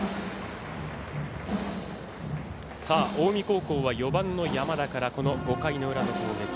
近江高校が４番の山田から５回の裏の攻撃。